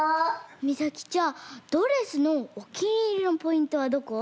みさきちゃんドレスのおきにいりのポイントはどこ？